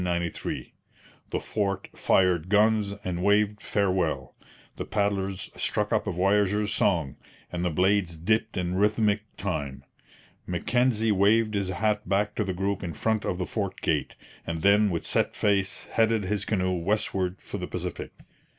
The fort fired guns and waved farewell; the paddlers struck up a voyageurs' song; and the blades dipped in rhythmic time. Mackenzie waved his hat back to the group in front of the fort gate; and then with set face headed his canoe westward for the Pacific.